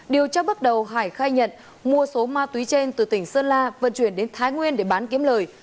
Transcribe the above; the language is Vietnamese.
điều tra bước đầu hải khai nhận mua số ma túy trên từ tỉnh sơn la vận chuyển đến thái nguyên để bán kiếm lời